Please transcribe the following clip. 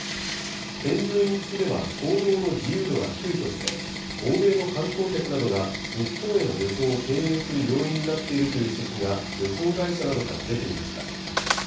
添乗員付きでは行動の自由度が低いとして、欧米の観光客などが日本への旅行を敬遠する要因になっているという指摘が旅行会社などから出ていました。